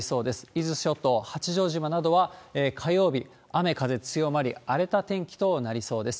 伊豆諸島、八丈島などは、火曜日、雨、風強まり、荒れた天気となりそうです。